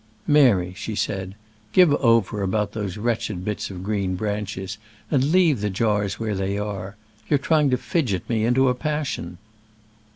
"Mary," she said, "give over about those wretched bits of green branches and leave the jars where they are. You're trying to fidget me into a passion."